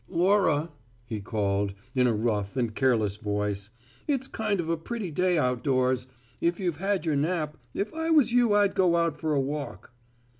"Laura," he called, in a rough and careless voice, "it's kind of a pretty day outdoors. If you've had your nap, if I was you I'd go out for a walk."